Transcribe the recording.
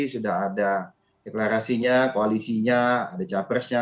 sudah ada deklarasinya koalisinya ada capresnya